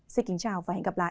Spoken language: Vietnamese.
xin kính chào và hẹn gặp lại